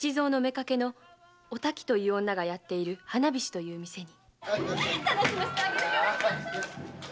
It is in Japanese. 妾のお滝という女がやっている“花菱”という店に。